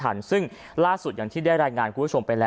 นายเรื่องของทางคดี